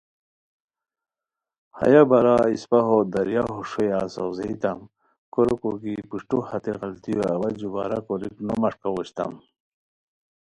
ہیہ بارا اِسپہ ہو دریاہو ݰویا ساؤزیتام کوریکو کی پروشٹو ہتے غلطیو اوا جُوبارہ کوریک نو مݰکاؤ اوشوتام